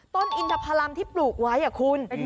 ต้นอินทพรรมที่ปลูกไว้คุณ